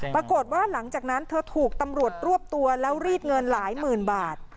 ปรากฏว่าหลังจากนั้นเธอถูกตำรวจรวบตัวแล้วรีดเงินหลายหมื่นบาท